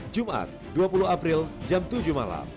jumat dua puluh april jam tujuh malam